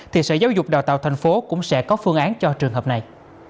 thì sở giáo dục đào tạo tp hcm cũng sẽ có phương án cho trường hợp này